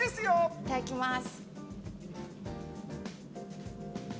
いただきます。